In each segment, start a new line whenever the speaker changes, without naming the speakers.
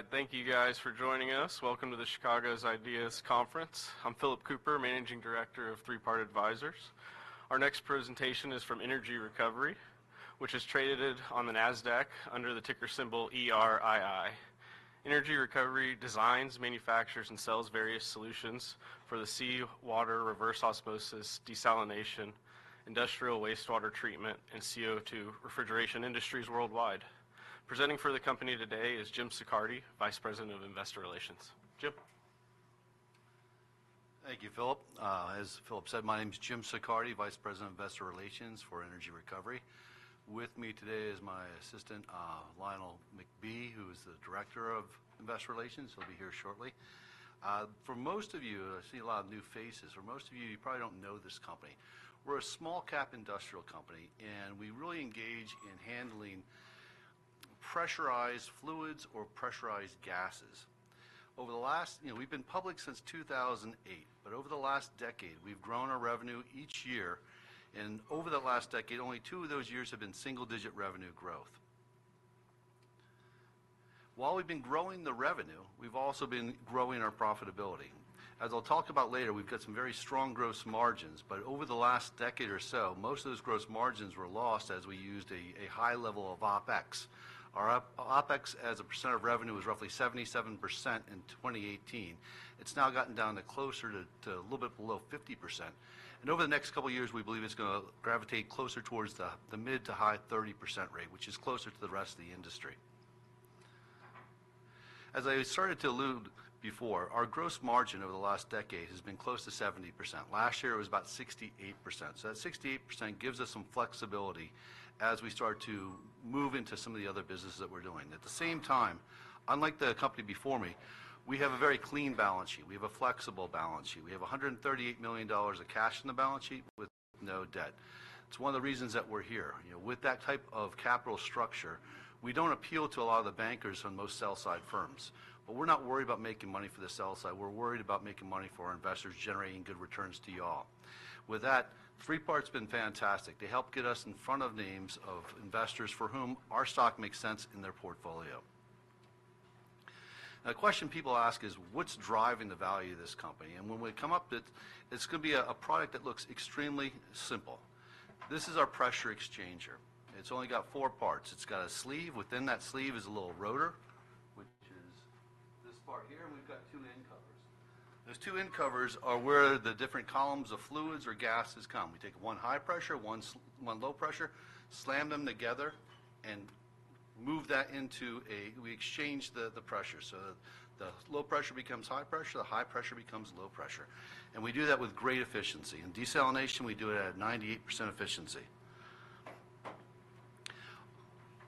All right, thank you guys for joining us. Welcome to the Chicago's Ideas Conference. I'm Philip Cooper, Managing Director of Three Part Advisors. Our next presentation is from Energy Recovery, which is traded on the NASDAQ under the ticker symbol ERII. Energy Recovery designs, manufactures, and sells various solutions for the seawater reverse osmosis, desalination, industrial wastewater treatment, and CO₂ refrigeration industries worldwide. Presenting for the company today is Jim Siccardi, Vice President of Investor Relations. Jim?
Thank you, Philip. As Philip said, my name is Jim Siccardi, Vice President of Investor Relations for Energy Recovery. With me today is my assistant, Lionel McBee, who is the Director of Investor Relations. He'll be here shortly. For most of you, I see a lot of new faces, for most of you, you probably don't know this company. We're a small cap industrial company, and we really engage in handling pressurized fluids or pressurized gases. Over the last decade, you know, we've been public since two thousand and eight, but over the last decade, we've grown our revenue each year, and over the last decade, only two of those years have been single-digit revenue growth. While we've been growing the revenue, we've also been growing our profitability. As I'll talk about later, we've got some very strong gross margins, but over the last decade or so, most of those gross margins were lost as we used a high level of OpEx. Our OpEx, as a percent of revenue, was roughly 77% in 2018. It's now gotten down to closer to a little bit below 50%, and over the next couple of years, we believe it's gonna gravitate closer towards the mid to high 30% rate, which is closer to the rest of the industry. As I started to allude before, our gross margin over the last decade has been close to 70%. Last year, it was about 68%. So that 68% gives us some flexibility as we start to move into some of the other businesses that we're doing. At the same time, unlike the company before me, we have a very clean balance sheet. We have a flexible balance sheet. We have $138 million of cash in the balance sheet with no debt. It's one of the reasons that we're here. You know, with that type of capital structure, we don't appeal to a lot of the bankers on most sell-side firms, but we're not worried about making money for the sell side. We're worried about making money for our investors, generating good returns to you all. With that, Three Part Advisors has been fantastic. They helped get us in front of names of investors for whom our stock makes sense in their portfolio. Now, a question people ask is: What's driving the value of this company? And when we come up with it, it's gonna be a product that looks extremely simple. This is our pressure exchanger. It's only got four parts. It's got a sleeve. Within that sleeve is a little rotor, which is this part here, and we've got two end covers. Those two end covers are where the different columns of fluids or gases come. We take one high pressure, one low pressure, slam them together, and move that into a—We exchange the pressure. So the low pressure becomes high pressure, the high pressure becomes low pressure, and we do that with great efficiency. In desalination, we do it at 98% efficiency.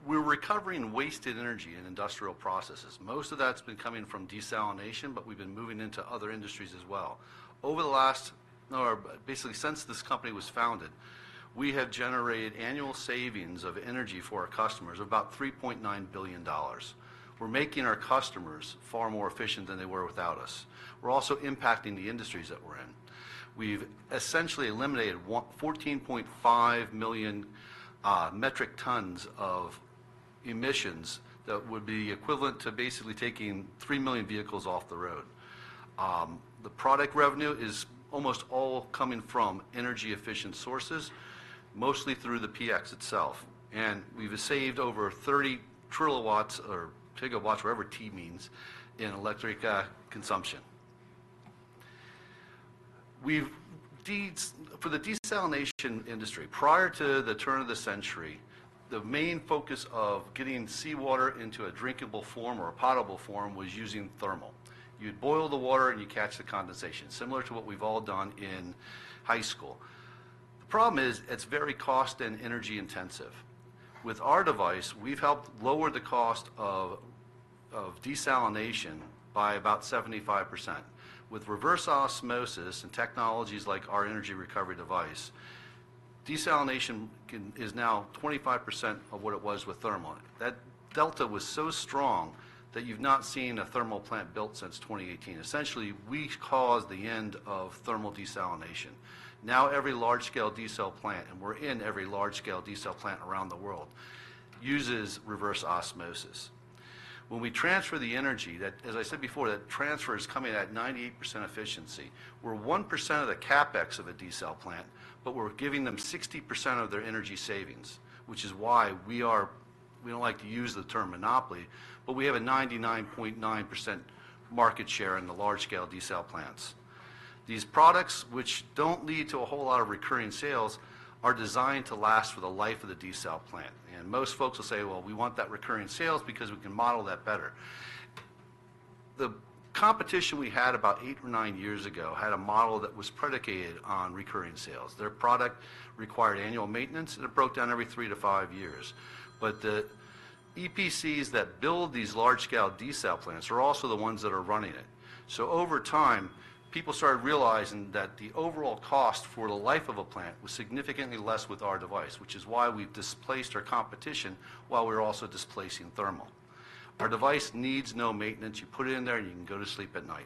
We're recovering wasted energy in industrial processes. Most of that's been coming from desalination, but we've been moving into other industries as well. Over the last, or basically, since this company was founded, we have generated annual savings of energy for our customers, about $3.9 billion. We're making our customers far more efficient than they were without us. We're also impacting the industries that we're in. We've essentially eliminated one, 14.5 million metric tons of emissions that would be equivalent to basically taking 3 million vehicles off the road. The product revenue is almost all coming from energy-efficient sources, mostly through the PX itself, and we've saved over 30 terawatts or gigawatts, whatever T means, in electric consumption. For the desalination industry, prior to the turn of the century, the main focus of getting seawater into a drinkable form or a potable form was using thermal. You'd boil the water, and you'd catch the condensation, similar to what we've all done in high school. The problem is, it's very cost and energy-intensive. With our device, we've helped lower the cost of desalination by about 75%. With reverse osmosis and technologies like our energy recovery device, desalination can, is now 25% of what it was with thermal. That delta was so strong that you've not seen a thermal plant built since 2018. Essentially, we caused the end of thermal desalination. Now, every large-scale desal plant, and we're in every large-scale desal plant around the world, uses reverse osmosis. When we transfer the energy, that, as I said before, that transfer is coming at 98% efficiency. We're 1% of the CapEx of a desal plant, but we're giving them 60% of their energy savings, which is why we are-- we don't like to use the term monopoly, but we have a 99.9% market share in the large-scale desal plants. These products, which don't lead to a whole lot of recurring sales, are designed to last for the life of the desal plant, and most folks will say, "Well, we want that recurring sales because we can model that better." The competition we had about eight or nine years ago had a model that was predicated on recurring sales. Their product required annual maintenance, and it broke down every three to five years. But the EPCs that build these large-scale desal plants are also the ones that are running it. So over time, people started realizing that the overall cost for the life of a plant was significantly less with our device, which is why we've displaced our competition while we're also displacing thermal. Our device needs no maintenance. You put it in there, and you can go to sleep at night.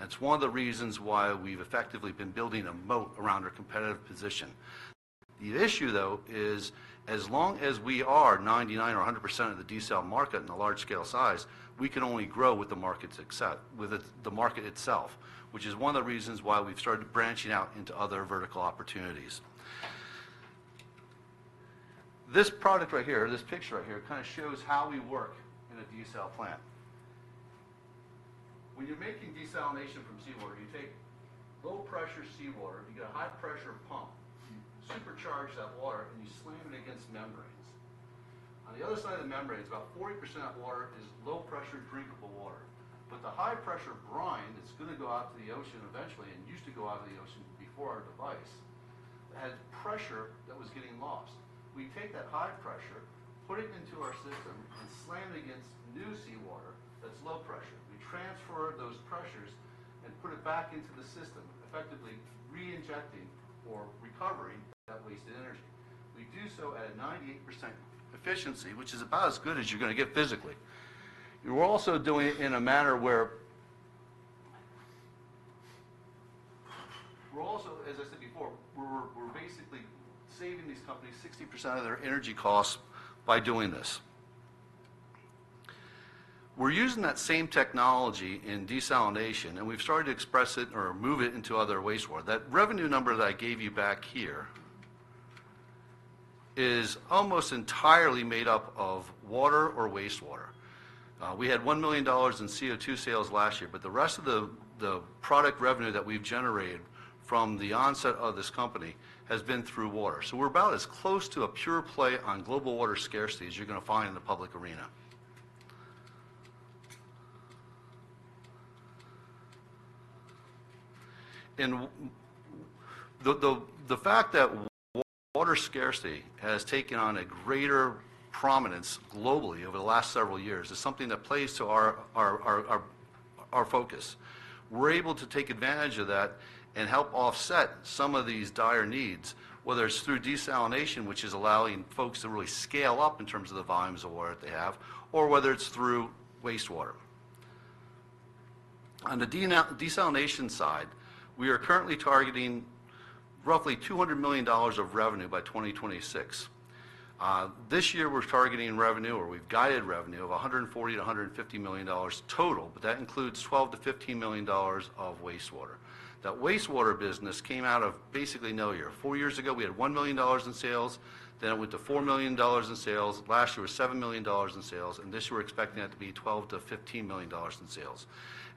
That's one of the reasons why we've effectively been building a moat around our competitive position. The issue, though, is as long as we are 99% or 100% of the desal market in the large-scale size, we can only grow with the market's success, with the market itself, which is one of the reasons why we've started branching out into other vertical opportunities. This product right here, this picture right here, kinda shows how we work in a desal plant. When you're making desalination from seawater, you take low-pressure seawater, and you get a high-pressure pump, you supercharge that water, and you slam it against membranes. On the other side of the membrane, about 40% of that water is low-pressure, drinkable water. The high-pressure brine that's gonna go out to the ocean eventually, and used to go out to the ocean before our device, had pressure that was getting lost. We take that high pressure, put it into our system, and slam it against new seawater that's low pressure. We transfer those pressures and put it back into the system, effectively reinjecting or recovering that wasted energy. We do so at 98% efficiency, which is about as good as you're gonna get physically. We're also doing it in a manner where we're also, as I said before, we're basically saving these companies 60% of their energy costs by doing this. We're using that same technology in desalination, and we've started to express it or move it into other wastewater. That revenue number that I gave you back here is almost entirely made up of water or wastewater. We had $1 million in CO2 sales last year, but the rest of the product revenue that we've generated from the onset of this company has been through water. So we're about as close to a pure play on global water scarcity as you're gonna find in the public arena. The fact that water scarcity has taken on a greater prominence globally over the last several years is something that plays to our focus. We're able to take advantage of that and help offset some of these dire needs, whether it's through desalination, which is allowing folks to really scale up in terms of the volumes of water they have, or whether it's through wastewater. On the desalination side, we are currently targeting roughly $200 million of revenue by 2026. This year we're targeting revenue, or we've guided revenue of $140 million-$150 million total, but that includes $12 million-$15 million of wastewater. That wastewater business came out of basically nowhere. Four years ago, we had $1 million in sales, then it went to $4 million in sales. Last year was $7 million in sales, and this year we're expecting that to be $12 million-$15 million in sales.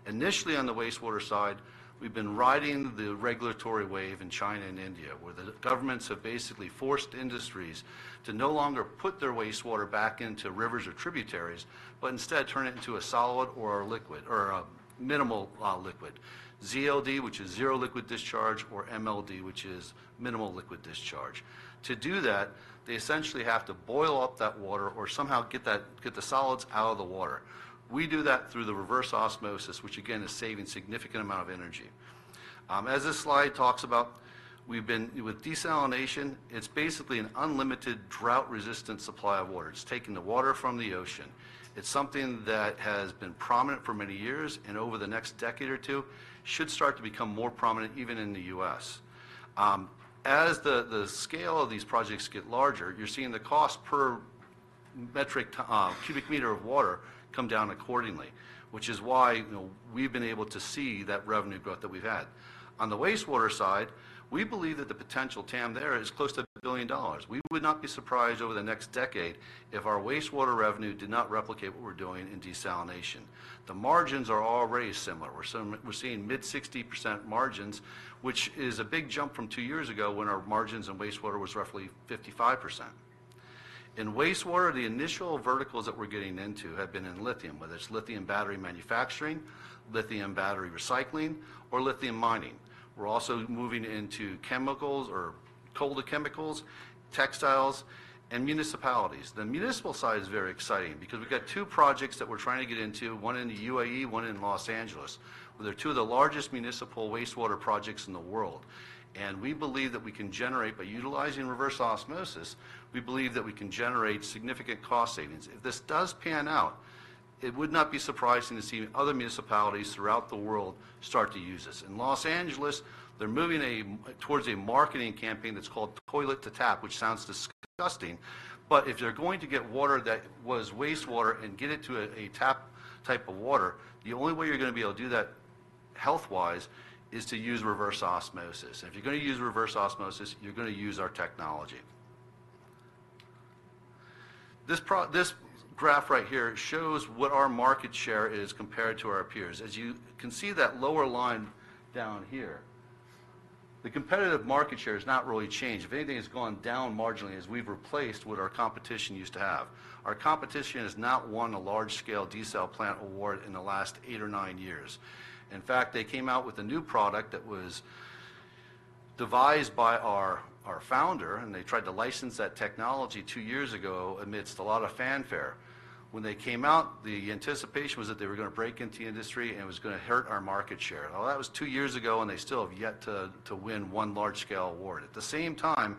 Initially, on the wastewater side, we've been riding the regulatory wave in China and India, where the governments have basically forced industries to no longer put their wastewater back into rivers or tributaries, but instead turn it into a solid or a liquid, or a minimal liquid. ZLD, which is zero liquid discharge, or MLD, which is minimal liquid discharge. To do that, they essentially have to boil up that water or somehow get that, get the solids out of the water. We do that through the reverse osmosis, which again, is saving significant amount of energy. As this slide talks about, with desalination, it's basically an unlimited, drought-resistant supply of water. It's taking the water from the ocean. It's something that has been prominent for many years, and over the next decade or two, should start to become more prominent, even in the U.S. As the scale of these projects get larger, you're seeing the cost per cubic meter of water come down accordingly, which is why, you know, we've been able to see that revenue growth that we've had. On the wastewater side, we believe that the potential TAM there is close to $1 billion. We would not be surprised over the next decade if our wastewater revenue did not replicate what we're doing in desalination. The margins are already similar. We're seeing mid-60% margins, which is a big jump from two years ago, when our margins in wastewater was roughly 55%. In wastewater, the initial verticals that we're getting into have been in lithium, whether it's lithium battery manufacturing, lithium battery recycling, or lithium mining. We're also moving into chemicals or other chemicals, textiles, and municipalities. The municipal side is very exciting because we've got two projects that we're trying to get into, one in the UAE, one in Los Angeles. They're two of the largest municipal wastewater projects in the world, and we believe that we can generate, by utilizing reverse osmosis, significant cost savings. If this does pan out, it would not be surprising to see other municipalities throughout the world start to use this. In Los Angeles, they're moving towards a marketing campaign that's called Toilet to Tap, which sounds disgusting, but if they're going to get water that was wastewater and get it to a tap type of water, the only way you're gonna be able to do that health-wise is to use reverse osmosis. And if you're gonna use reverse osmosis, you're gonna use our technology. This graph right here shows what our market share is compared to our peers. As you can see that lower line down here, the competitive market share has not really changed. If anything, it's gone down marginally as we've replaced what our competition used to have. Our competition has not won a large-scale desal plant award in the last eight or nine years. In fact, they came out with a new product that was devised by our founder, and they tried to license that technology two years ago amidst a lot of fanfare. When they came out, the anticipation was that they were gonna break into the industry, and it was gonna hurt our market share. Well, that was two years ago, and they still have yet to win one large-scale award. At the same time,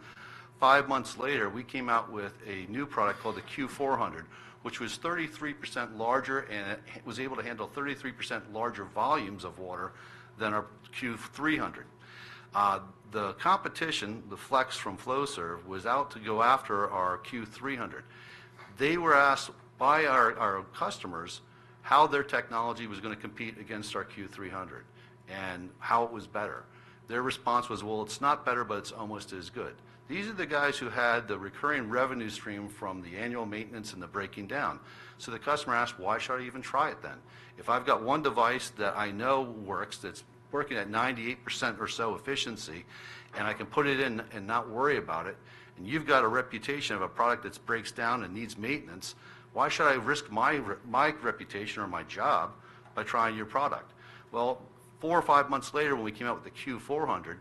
five months later, we came out with a new product called the PX Q400, which was 33% larger and it was able to handle 33% larger volumes of water than our PX Q300. The competition, the Flex from Flowserve, was out to go after our PX Q300. They were asked by our customers how their technology was gonna compete against our PX Q300 and how it was better. Their response was: "Well, it's not better, but it's almost as good." These are the guys who had the recurring revenue stream from the annual maintenance and the breaking down. So the customer asked: "Why should I even try it then? If I've got one device that I know works, that's working at 98% or so efficiency, and I can put it in and not worry about it, and you've got a reputation of a product that breaks down and needs maintenance, why should I risk my reputation or my job by trying your product?" Four or five months later, when we came out with the PX Q400,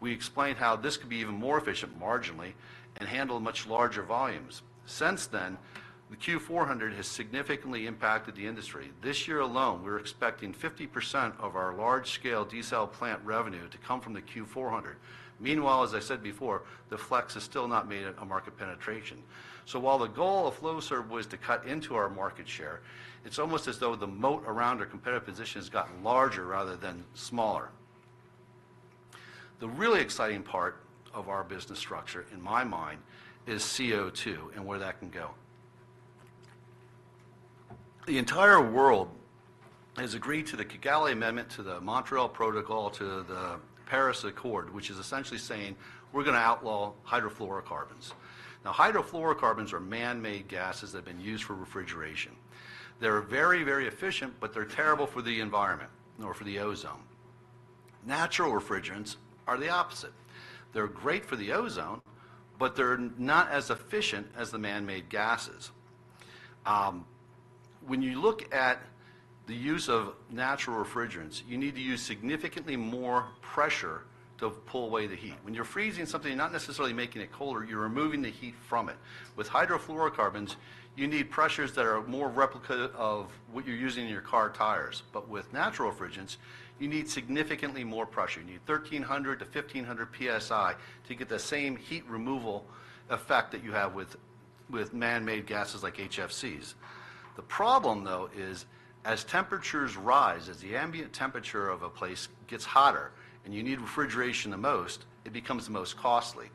we explained how this could be even more efficient, marginally, and handle much larger volumes. Since then, the PX Q400 has significantly impacted the industry. This year alone, we're expecting 50% of our large-scale desal plant revenue to come from the PX Q400. Meanwhile, as I said before, the Flex has still not made a market penetration. So while the goal of Flowserve was to cut into our market share, it's almost as though the moat around our competitive position has gotten larger rather than smaller. The really exciting part of our business structure, in my mind, is CO2 and where that can go. The entire world has agreed to the Kigali Amendment, to the Montreal Protocol, to the Paris Accord, which is essentially saying, "We're gonna outlaw hydrofluorocarbons." Now, hydrofluorocarbons are man-made gases that have been used for refrigeration. They're very, very efficient, but they're terrible for the environment and for the ozone. Natural refrigerants are the opposite. They're great for the ozone, but they're not as efficient as the man-made gases. When you look at the use of natural refrigerants, you need to use significantly more pressure to pull away the heat. When you're freezing something, you're not necessarily making it colder, you're removing the heat from it. With hydrofluorocarbons, you need pressures that are more replica of what you're using in your car tires. But with natural refrigerants, you need significantly more pressure. You need thirteen hundred to fifteen hundred PSI to get the same heat removal effect that you have with man-made gases like HFCs. The problem, though, is as temperatures rise, as the ambient temperature of a place gets hotter and you need refrigeration the most, it becomes the most costly.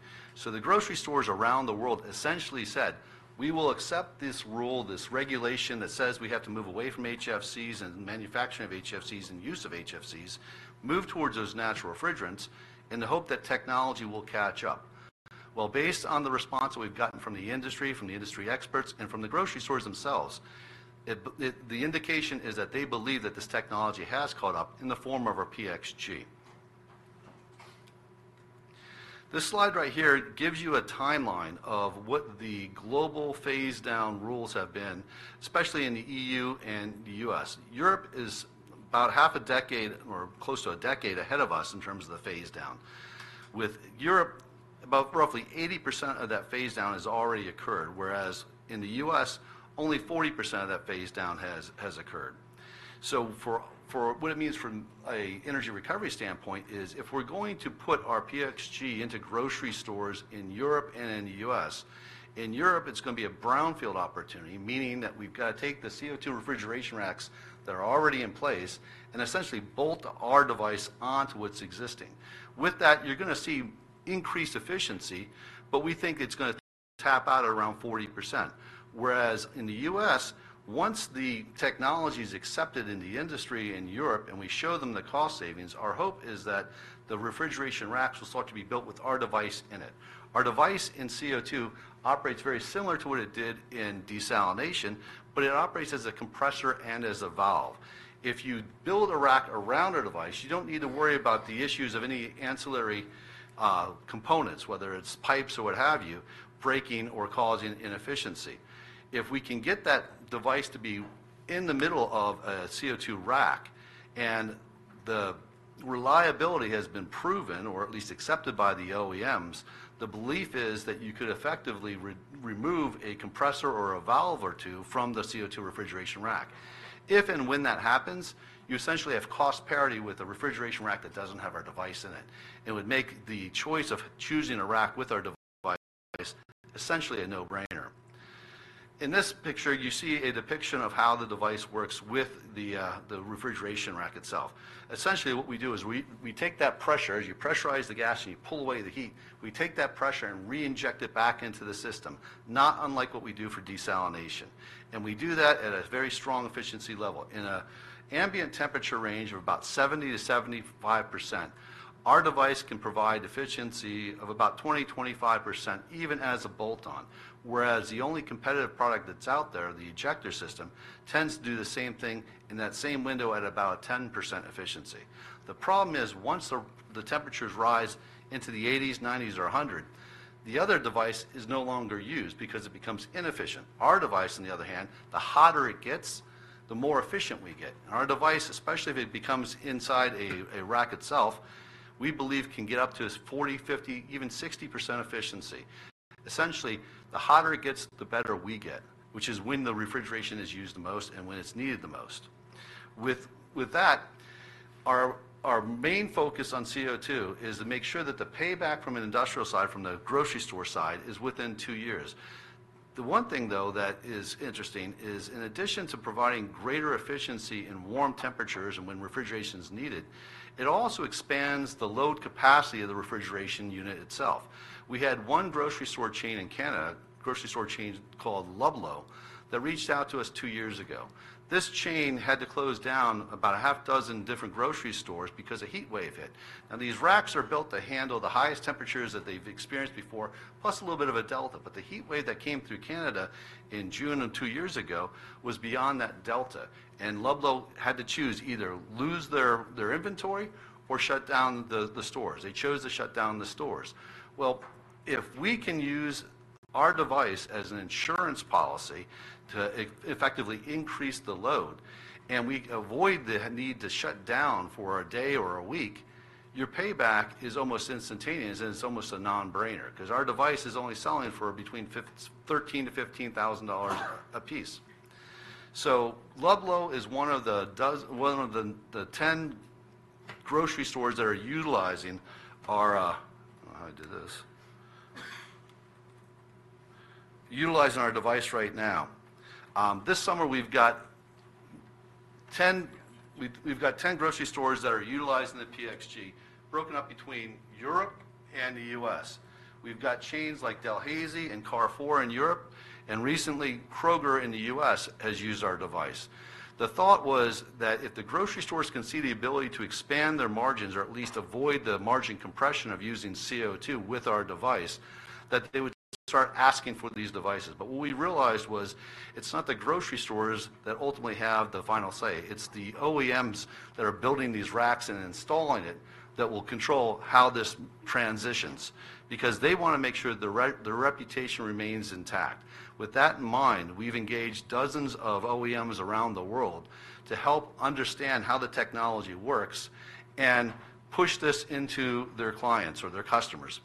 Grocery stores around the world essentially said, "We will accept this rule, this regulation, that says we have to move away from HFCs and the manufacturing of HFCs and use of HFCs, move towards those natural refrigerants, in the hope that technology will catch up." Based on the response that we've gotten from the industry, from the industry experts, and from the grocery stores themselves, the indication is that they believe that this technology has caught up in the form of our PXG. This slide right here gives you a timeline of what the global phase down rules have been, especially in the EU and the U.S. Europe is about half a decade or close to a decade ahead of us in terms of the phase down. With Europe, about roughly 80% of that phase-down has already occurred, whereas in the U.S., only 40% of that phase-down has occurred. So what it means from an Energy Recovery standpoint is, if we're going to put our PXG into grocery stores in Europe and in the U.S., in Europe, it's gonna be a brownfield opportunity, meaning that we've got to take the CO2 refrigeration racks that are already in place and essentially bolt our device onto what's existing. With that, you're gonna see increased efficiency, but we think it's gonna tap out at around 40%. Whereas in the U.S., once the technology is accepted in the industry in Europe, and we show them the cost savings, our hope is that the refrigeration racks will start to be built with our device in it. Our device in CO2 operates very similar to what it did in desalination, but it operates as a compressor and as a valve. If you build a rack around our device, you don't need to worry about the issues of any ancillary components, whether it's pipes or what have you, breaking or causing inefficiency. If we can get that device to be in the middle of a CO2 rack, and the reliability has been proven or at least accepted by the OEMs, the belief is that you could effectively remove a compressor or a valve or two from the CO2 refrigeration rack. If and when that happens, you essentially have cost parity with a refrigeration rack that doesn't have our device in it. It would make the choice of choosing a rack with our device essentially a no-brainer. In this picture, you see a depiction of how the device works with the refrigeration rack itself. Essentially, what we do is we take that pressure, as you pressurize the gas and you pull away the heat, we take that pressure and reinject it back into the system, not unlike what we do for desalination. We do that at a very strong efficiency level. In an ambient temperature range of about 70%-75%, our device can provide efficiency of about 20%-25%, even as a bolt-on. Whereas the only competitive product that's out there, the ejector system, tends to do the same thing in that same window at about 10% efficiency. The problem is, once the temperatures rise into the 80s, 90s, or 100, the other device is no longer used because it becomes inefficient. Our device, on the other hand, the hotter it gets, the more efficient we get. Our device, especially if it becomes inside a rack itself, we believe can get up to as 40%, 50%, even 60% efficiency. Essentially, the hotter it gets, the better we get, which is when the refrigeration is used the most and when it's needed the most. With that, our main focus on CO2 is to make sure that the payback from an industrial side, from the grocery store side, is within two years. The one thing, though, that is interesting is, in addition to providing greater efficiency in warm temperatures and when refrigeration is needed, it also expands the load capacity of the refrigeration unit itself. We had one grocery store chain in Canada, a grocery store chain called Loblaw, that reached out to us two years ago. This chain had to close down about a half dozen different grocery stores because a heat wave hit, and these racks are built to handle the highest temperatures that they've experienced before, plus a little bit of a delta. But the heat wave that came through Canada in June of two years ago was beyond that delta, and Loblaw had to choose: either lose their inventory or shut down the stores. They chose to shut down the stores. Well, if we can use our device as an insurance policy to effectively increase the load, and we avoid the need to shut down for a day or a week, your payback is almost instantaneous, and it's almost a no-brainer. 'Cause our device is only selling for between $13,000-$15,000 apiece. Loblaw is one of the ten grocery stores that are utilizing our device right now. This summer we've got ten grocery stores that are utilizing the PXG, broken up between Europe and the U.S.. We've got chains like Delhaize and Carrefour in Europe, and recently, Kroger in the U.S. has used our device. The thought was that if the grocery stores can see the ability to expand their margins, or at least avoid the margin compression of using CO2 with our device, that they would start asking for these devices. What we realized was, it's not the grocery stores that ultimately have the final say. It's the OEMs that are building these racks and installing it, that will control how this transitions. Because they wanna make sure their reputation remains intact. With that in mind, we've engaged dozens of OEMs around the world to help understand how the technology works and push this into their clients or their customers.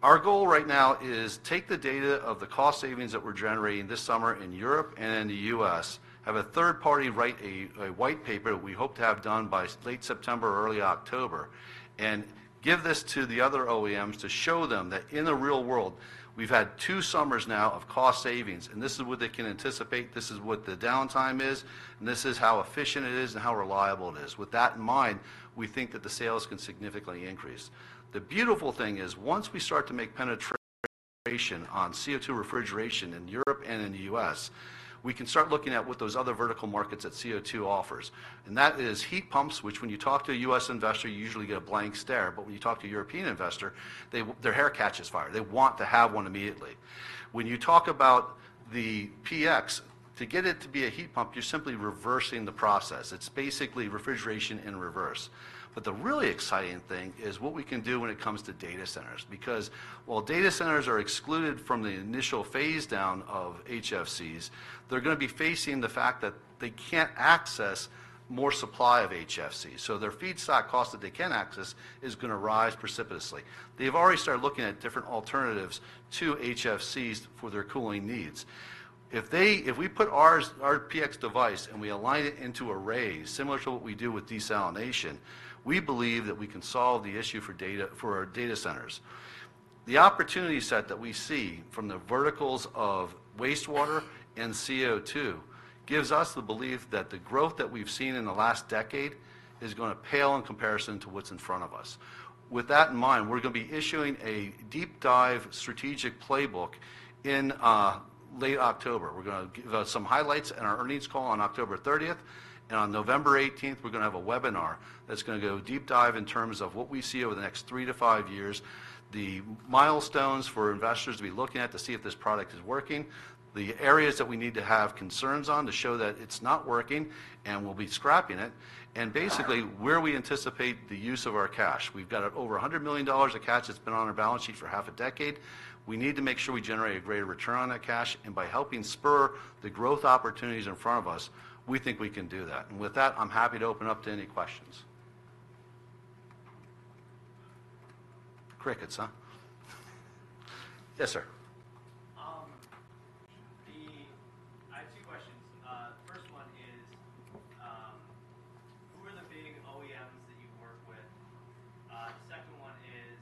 Our goal right now is take the data of the cost savings that we're generating this summer in Europe and in the U.S., have a third party write a white paper, we hope to have done by late September or early October, and give this to the other OEMs to show them that in the real world, we've had two summers now of cost savings, and this is what they can anticipate, this is what the downtime is, and this is how efficient it is and how reliable it is. With that in mind, we think that the sales can significantly increase. The beautiful thing is, once we start to make penetration on CO2 refrigeration in Europe and in the U.S., we can start looking at what those other vertical markets that CO2 offers. And that is heat pumps, which, when you talk to a U.S. investor, you usually get a blank stare, but when you talk to a European investor, their hair catches fire. They want to have one immediately. When you talk about the PX, to get it to be a heat pump, you're simply reversing the process. It's basically refrigeration in reverse. But the really exciting thing is what we can do when it comes to data centers, because while data centers are excluded from the initial phase down of HFCs, they're gonna be facing the fact that they can't access more supply of HFCs. So their feedstock cost that they can access is gonna rise precipitously. They've already started looking at different alternatives to HFCs for their cooling needs. If they, if we put ours, our PX device, and we align it into arrays, similar to what we do with desalination, we believe that we can solve the issue for data, for our data centers. The opportunity set that we see from the verticals of wastewater and CO2 gives us the belief that the growth that we've seen in the last decade is gonna pale in comparison to what's in front of us. With that in mind, we're gonna be issuing a deep dive strategic playbook in late October. We're gonna give some highlights in our earnings call on October thirtieth, and on November eighteenth, we're gonna have a webinar that's gonna go deep dive in terms of what we see over the next three to five years, the milestones for investors to be looking at to see if this product is working, the areas that we need to have concerns on to show that it's not working and we'll be scrapping it, and basically, where we anticipate the use of our cash. We've got over $100 million of cash that's been on our balance sheet for half a decade. We need to make sure we generate a greater return on that cash, and by helping spur the growth opportunities in front of us, we think we can do that. With that, I'm happy to open up to any questions. Crickets, huh? Yes, sir. I have two questions. The first one is, who are the big OEMs that you work with? The second one is,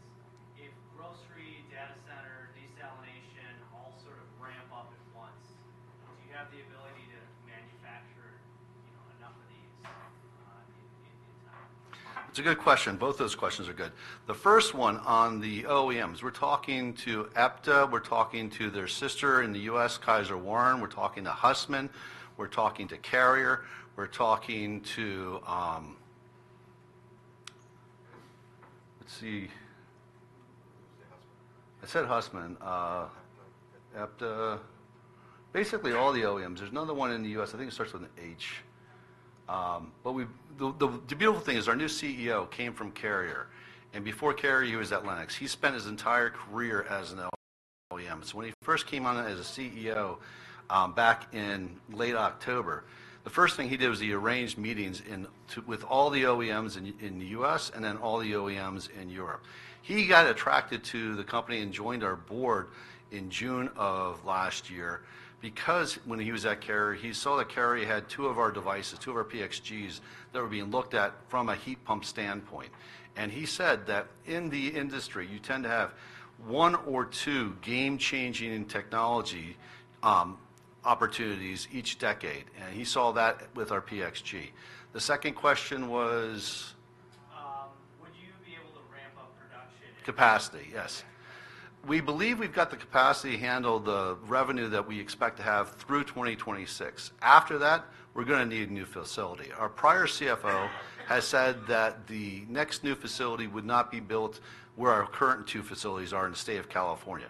if grocery, data center, desalination, all sort of ramp up at once, do you have the ability to manufacture, you know, enough of these, in due time? It's a good question. Both those questions are good. The first one, on the OEMs, we're talking to Epta, we're talking to their sister in the U.S., Kysor Warren, we're talking to Hussmann, we're talking to Carrier, we're talking to, Let's see. You said Hussmann. I said Hussmann, Epta, basically all the OEMs. There's another one in the U.S., I think it starts with an H. But the beautiful thing is, our new CEO came from Carrier, and before Carrier, he was at Lennox. He spent his entire career as an OEM. So when he first came on as a CEO, back in late October, the first thing he did was he arranged meetings with all the OEMs in the U.S. and then all the OEMs in Europe. He got attracted to the company and joined our board in June of last year, because when he was at Carrier, he saw that Carrier had two of our devices, two of our PXGs, that were being looked at from a heat pump standpoint. He said that in the industry, you tend to have one or two game-changing technology opportunities each decade, and he saw that with our PXG. The second question was? Would you be able to ramp up production? Capacity, yes. We believe we've got the capacity to handle the revenue that we expect to have through 2026. After that, we're gonna need a new facility. Our prior CFO has said that the next new facility would not be built where our current two facilities are in the state of California.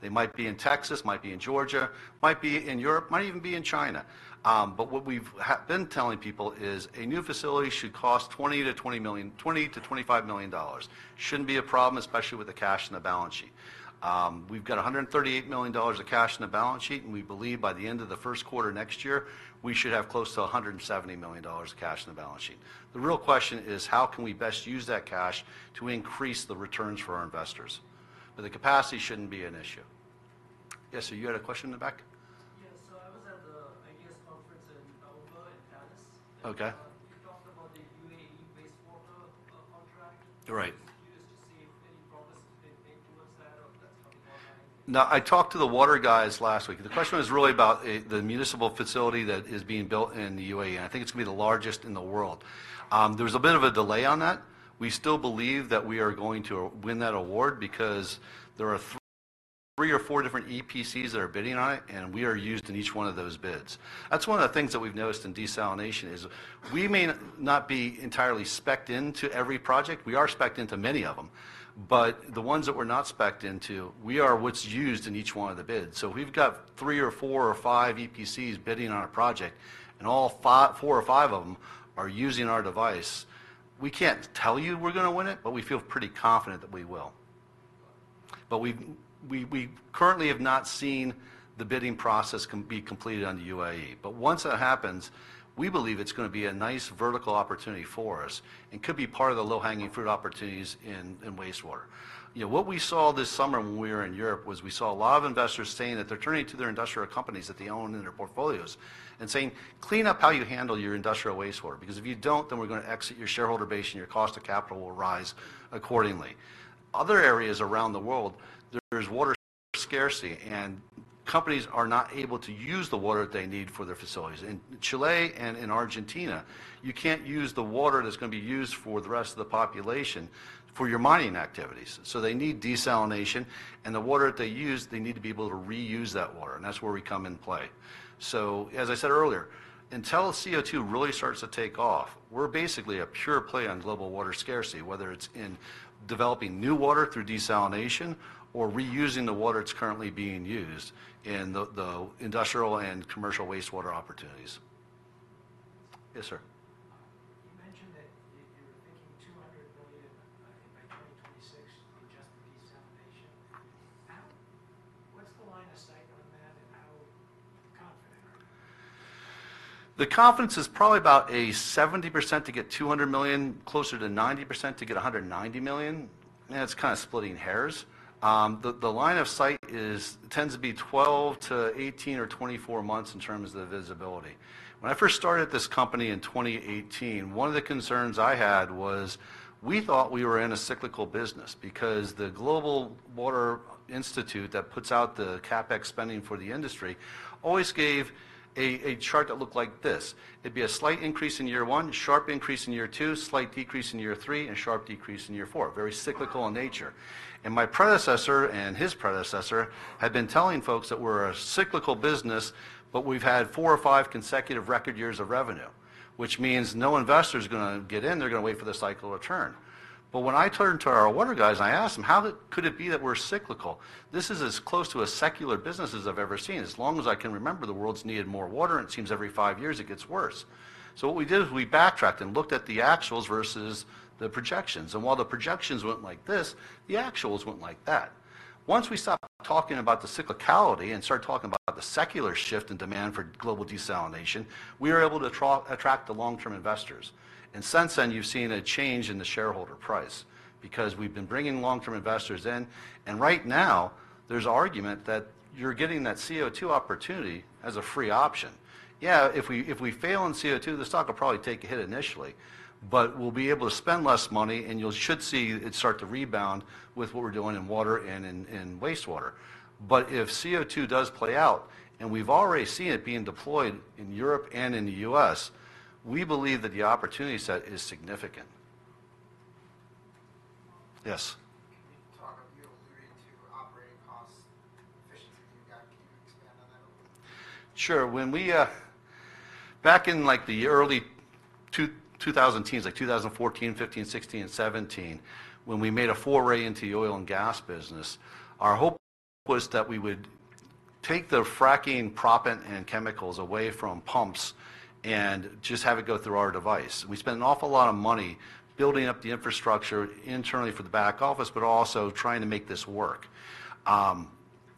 They might be in Texas, might be in Georgia, might be in Europe, might even be in China. But what we've been telling people is, a new facility should cost $20 million-$25 million. Shouldn't be a problem, especially with the cash in the balance sheet. We've got $138 million of cash in the balance sheet, and we believe by the end of the first quarter next year, we should have close to $170 million of cash in the balance sheet. The real question is: How can we best use that cash to increase the returns for our investors? But the capacity shouldn't be an issue. Yes, sir, you had a question in the back? Yes. So I was at the Ideas Conference in October, in Dallas. Okay. You talked about the UAE wastewater contract. Right. I was curious to see if any progress has been made towards that, or if that's coming online. No, I talked to the water guys last week, and the question was really about the municipal facility that is being built in the UAE, and I think it's gonna be the largest in the world. There was a bit of a delay on that. We still believe that we are going to win that award because there are three or four different EPCs that are bidding on it, and we are used in each one of those bids. That's one of the things that we've noticed in desalination, is we may not be entirely spec'd into every project. We are spec'd into many of them. But the ones that we're not spec'd into, we are what's used in each one of the bids. So if we've got three or four or five EPCs bidding on a project, and all four or five of them are using our device, we can't tell you we're gonna win it, but we feel pretty confident that we will. But we've currently have not seen the bidding process be completed on the UAE. But once that happens, we believe it's gonna be a nice vertical opportunity for us, and could be part of the low-hanging fruit opportunities in wastewater. You know, what we saw this summer when we were in Europe, was we saw a lot of investors saying that they're turning to their industrial companies that they own in their portfolios and saying, "Clean up how you handle your industrial wastewater, because if you don't, then we're gonna exit your shareholder base, and your cost of capital will rise accordingly." Other areas around the world, there's water scarcity, and companies are not able to use the water they need for their facilities. In Chile and in Argentina, you can't use the water that's gonna be used for the rest of the population for your mining activities, so they need desalination, and the water that they use, they need to be able to reuse that water, and that's where we come in play. So as I said earlier, until CO2 really starts to take off, we're basically a pure play on global water scarcity, whether it's in developing new water through desalination or reusing the water that's currently being used in the industrial and commercial wastewater opportunities. Yes, sir? You mentioned that you were thinking $200 million by 2026 in just desalination. What's the line of sight on that, and how confident are you? The confidence is probably about 70% to get $200 million, closer to 90% to get $190 million. It's kinda splitting hairs. The line of sight tends to be 12 months-18 months or 24 months in terms of the visibility. When I first started this company in 2018, one of the concerns I had was, we thought we were in a cyclical business because the Global Water Institute that puts out the CapEx spending for the industry always gave a chart that looked like this: It'd be a slight increase in year one, sharp increase in year two, slight decrease in year three, and sharp decrease in year four. Very cyclical in nature. And my predecessor, and his predecessor, had been telling folks that we're a cyclical business, but we've had four or five consecutive record years of revenue. Which means no investor's gonna get in, they're gonna wait for the cycle to turn. But when I turned to our water guys and I asked them: "How could it be that we're cyclical?" This is as close to a secular business as I've ever seen. As long as I can remember, the world's needed more water, and it seems every five years it gets worse. So what we did is, we backtracked and looked at the actuals versus the projections, and while the projections went like this, the actuals went like that. Once we stopped talking about the cyclicality and started talking about the secular shift in demand for global desalination, we were able to attract the long-term investors. Since then, you've seen a change in the shareholder price, because we've been bringing long-term investors in, and right now, there's argument that you're getting that CO2 opportunity as a free option. Yeah, if we fail on CO2, the stock will probably take a hit initially, but we'll be able to spend less money, and you'll should see it start to rebound with what we're doing in water and in wastewater. But if CO2 does play out, and we've already seen it being deployed in Europe and in the U.S., we believe that the opportunity set is significant. Yes? Can you talk—You alluded to operating cost efficiency you've got. Can you expand on that a little? Sure. Back in, like, the early 2010s, like 2014, 2015, 2016, and 2017, when we made a foray into the oil and gas business, our hope was that we would take the fracking proppant and chemicals away from pumps and just have it go through our device. We spent an awful lot of money building up the infrastructure internally for the back office, but also trying to make this work.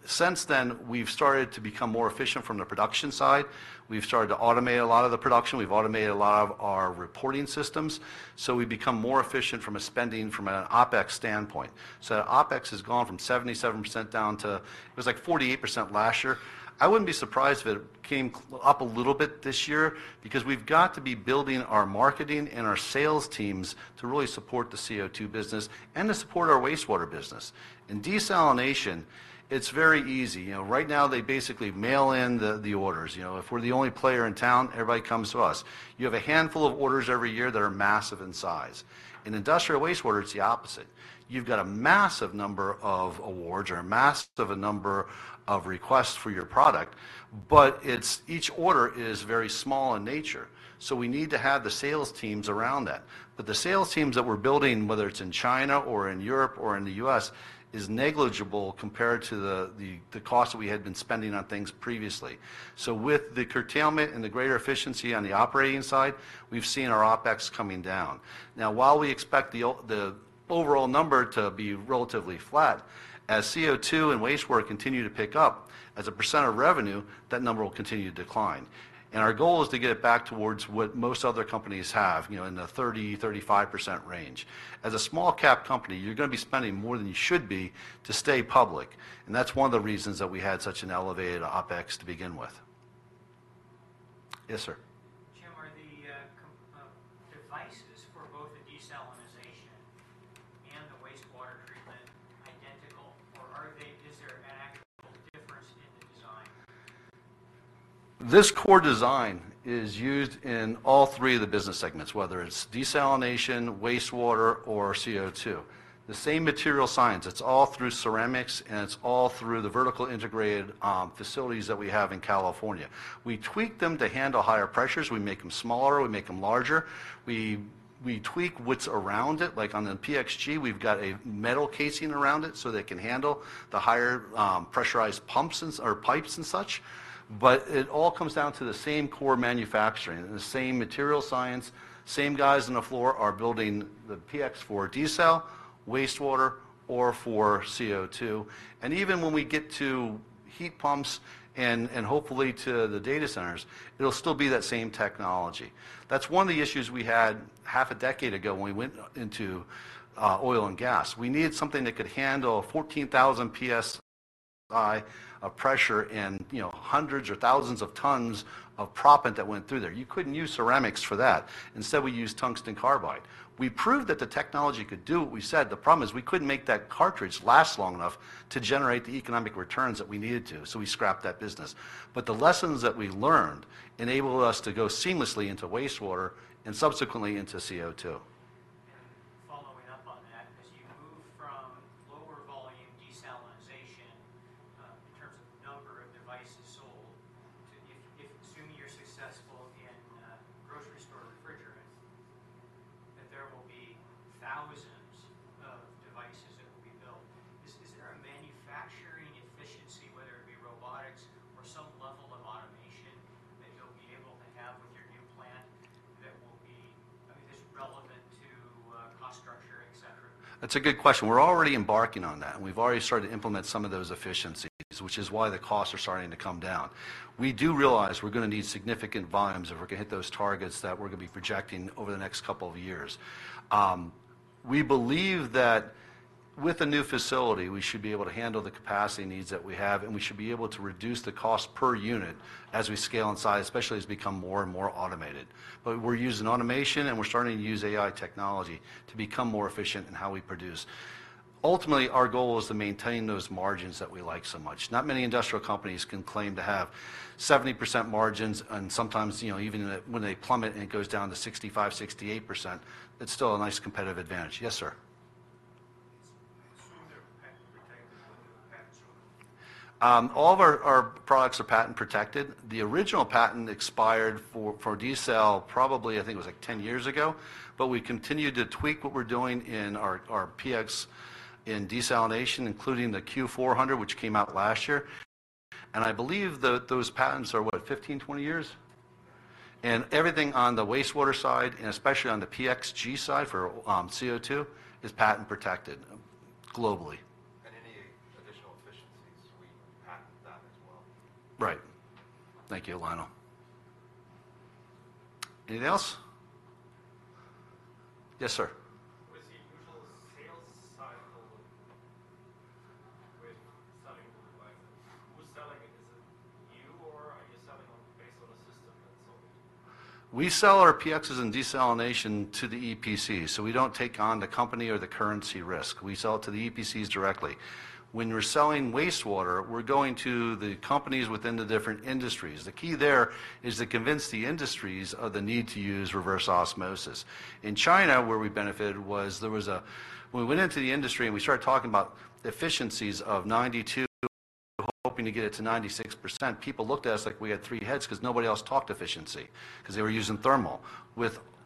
Since then, we've started to become more efficient from the production side. We've started to automate a lot of the production. We've automated a lot of our reporting systems, so we've become more efficient from a spending, from an OpEx standpoint, so our OpEx has gone from 77% down to, it was like 48% last year. I wouldn't be surprised if it came up a little bit this year, because we've got to be building our marketing and our sales teams to really support the CO2 business and to support our wastewater business. In desalination, it's very easy. You know, right now, they basically mail in the orders. You know, if we're the only player in town, everybody comes to us. You have a handful of orders every year that are massive in size. In industrial wastewater, it's the opposite. You've got a massive number of awards or a massive number of requests for your product, but it's, each order is very small in nature, so we need to have the sales teams around that. But the sales teams that we're building, whether it's in China or in Europe or in the U.S., is negligible compared to the cost that we had been spending on things previously. So with the curtailment and the greater efficiency on the operating side, we've seen our OpEx coming down. Now, while we expect the overall number to be relatively flat, as CO2 and wastewater continue to pick up, as a percent of revenue, that number will continue to decline. And our goal is to get it back towards what most other companies have, you know, in the 30%-35% range. As a small-cap company, you're gonna be spending more than you should be to stay public, and that's one of the reasons that we had such an elevated OpEx to begin with. Yes, sir? Jim, are the devices for both the desalination and the wastewater treatment identical, or are they, is there an actual difference in the design? This core design is used in all three of the business segments, whether it's desalination, wastewater, or CO2. The same material science, it's all through ceramics, and it's all through the vertically integrated facilities that we have in California. We tweak them to handle higher pressures. We make them smaller, we make them larger. We tweak what's around it. Like on the PXG, we've got a metal casing around it, so that it can handle the higher pressurized pumps and such or pipes and such. But it all comes down to the same core manufacturing, the same material science, same guys on the floor are building the PX for desal, wastewater, or for CO2. And even when we get to heat pumps and hopefully to the data centers, it'll still be that same technology. That's one of the issues we had half a decade ago when we went into oil and gas. We needed something that could handle 14,000 psi of pressure and, you know, hundreds or thousands of tons of proppant that went through there. You couldn't use ceramics for that. Instead, we used tungsten carbide. We proved that the technology could do what we said. The problem is, we couldn't make that cartridge last long enough to generate the economic returns that we needed to, so we scrapped that business. But the lessons that we learned enabled us to go seamlessly into wastewater and subsequently into CO2. with the new facility, we should be able to handle the capacity needs that we have, and we should be able to reduce the cost per unit as we scale in size, especially as we become more and more automated. But we're using automation, and we're starting to use AI technology to become more efficient in how we produce. Ultimately, our goal is to maintain those margins that we like so much. Not many industrial companies can claim to have 70% margins, and sometimes, you know, even in the, when they plummet, and it goes down to 65%-68%, it's still a nice competitive advantage. Yes, sir? I assume they're patent-protected when you patent them? All of our products are patent-protected. The original patent expired for desal probably, I think it was like ten years ago, but we continued to tweak what we're doing in our PX in desalination, including the Q400, which came out last year. And I believe that those patents are, what? 15 years, 20 years? And everything on the wastewater side, and especially on the PXG side, for CO2, is patent-protected globally. Any additional efficiencies, we patent that as well? Right. Thank you, Lionel. Anything else? Yes, sir. What is the usual sales cycle with selling devices? Who's selling it? Is it you, or are you selling on, based on a system that's sold? We sell our PXs and desalination to the EPC, so we don't take on the company or the currency risk. We sell it to the EPCs directly. When we're selling wastewater, we're going to the companies within the different industries. The key there is to convince the industries of the need to use reverse osmosis. In China, where we benefited, there was a—when we went into the industry, and we started talking about the efficiencies of 92%, hoping to get it to 96%, people looked at us like we had three heads 'cause nobody else talked efficiency, 'cause they were using thermal.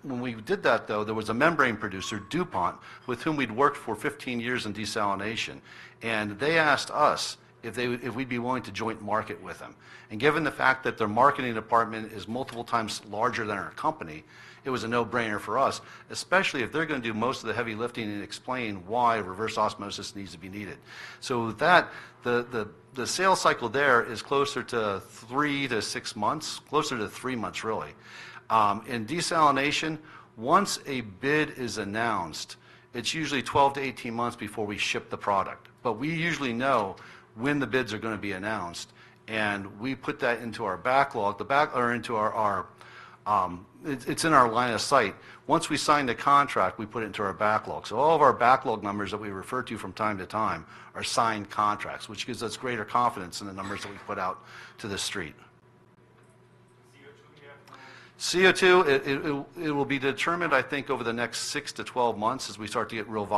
When we did that, though, there was a membrane producer, DuPont, with whom we'd worked for 15 years in desalination, and they asked us if they would, if we'd be willing to joint market with them. Given the fact that their marketing department is multiple times larger than our company, it was a no-brainer for us, especially if they're gonna do most of the heavy lifting and explain why reverse osmosis needs to be needed. So that sales cycle there is closer to 3 months-6 months, closer to three months, really. In desalination, once a bid is announced, it is usually 12 months-18 months before we ship the product. But we usually know when the bids are gonna be announced, and we put that into our backlog or into our line of sight. Once we sign the contract, we put it into our backlog. All of our backlog numbers that we refer to from time to time are signed contracts, which gives us greater confidence in the numbers that we put out to the street. CO2, do you have time? CO2, it will be determined, I think, over the next six to 12 months as we start to get real.